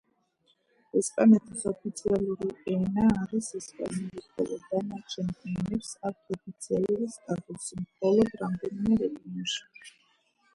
ესპანეთის ოფიციალური ენა არის ესპანური, ხოლო დანარჩენ ენებს აქვთ ოფიციალური სტატუსი მხოლოდ რამდენიმე რეგიონში.